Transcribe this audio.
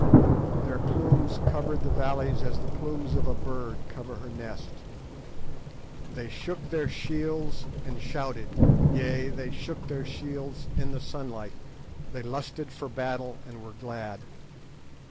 "Their plumes covered the valleys as the plumes of a bird cover her nest; they shook their shields and shouted, yea, they shook their shields in the sunlight; they lusted for battle and were glad.